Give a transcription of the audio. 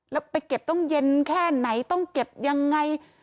แล้วไปเก็บต้องเย็นแค่ไหนต้องเก็บยังไง